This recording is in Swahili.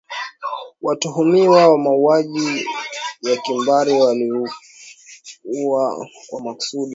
watuhumiwa wa mauaji ya kimbari waliua kwa makusudi